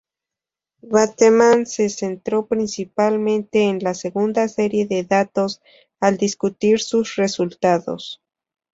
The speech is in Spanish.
Bateman se centró principalmente en la segunda serie de datos al discutir sus resultados.